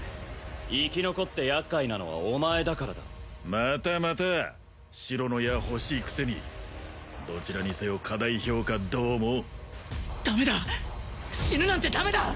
生き残ってやっかいなのはお前だからだまたまた白の矢ほしいくせにどちらにせよ過大評価どうもダメだ死ぬなんてダメだ！